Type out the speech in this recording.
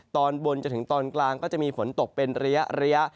ตอนบนจนถึงตอนกลางก็จะมีฝนตกเป็นระยะ